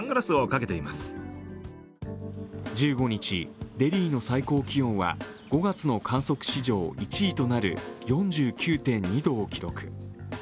１５日、デリーの最高気温は５月の観測史上１位となる４９．２度を記録。